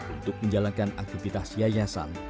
untuk menjalankan aktivitas yayasan